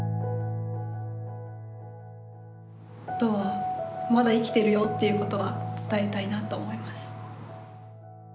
あとは「まだ生きてるよ」っていうことは伝えたいなと思います。